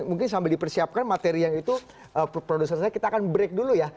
mungkin sambil dipersiapkan materi yang itu produser saya kita akan break dulu ya